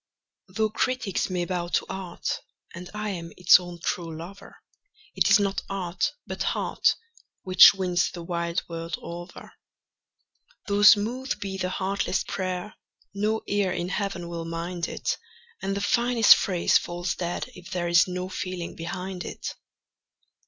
Though critics may bow to art, and I am its own true lover, It is not art, but heart, which wins the wide world over. Though smooth be the heartless prayer, no ear in Heaven will mind it, And the finest phrase falls dead if there is no feeling behind it.